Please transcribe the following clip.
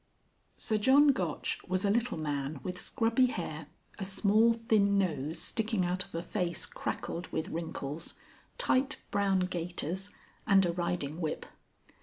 XLII. Sir John Gotch was a little man with scrubby hair, a small, thin nose sticking out of a face crackled with wrinkles, tight brown gaiters, and a riding whip.